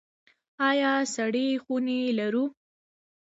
آیا سړې خونې لرو؟